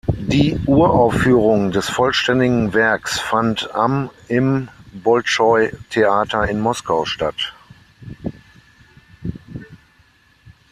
Die Uraufführung des vollständigen Werks fand am im Bolschoi-Theater in Moskau statt.